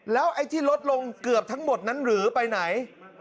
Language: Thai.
ลดลงเกือบทั้งหมดนั้นหรือไปไหน